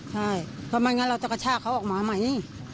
ใช่ก็มัยงั้นเราจะชากเขาออกมาไหม